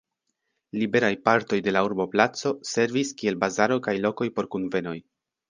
Liberaj partoj de la urboplaco servis kiel bazaro kaj lokoj por kunvenoj.